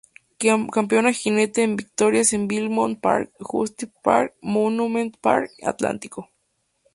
Campeona jinete en victorias en Belmont Park, Gulfstream Park, Monmouth Park, Atlántico.